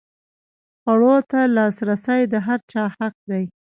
خوړو ته لاسرسی د هر چا حق دی.